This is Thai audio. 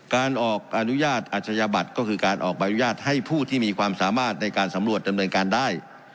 การออกอนุญาตอัชญาบัตรก็คือการออกใบอนุญาตให้ผู้ที่มีความสามารถในการสำรวจดำเนินการได้